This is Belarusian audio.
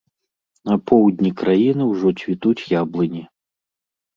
На поўдні краіны ўжо цвітуць яблыні.